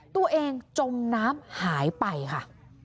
ตัวเองจมน้ำหายไปค่ะ